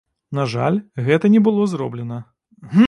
На жаль, гэта не было зроблена.